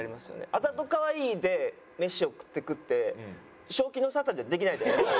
あざとかわいいで飯を食ってくって正気の沙汰じゃできないじゃないですか。